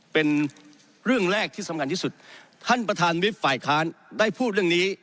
เป็นเรื่องแรกที่สำคัญที่สุดท่านประธานวิบฝ่ายค้านได้พูดเรื่องนี้